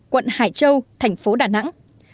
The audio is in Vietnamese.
quận hải châu tp đn